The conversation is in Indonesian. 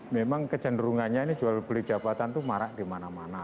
memang kecenderungannya ini jual beli jabatan itu marak di mana mana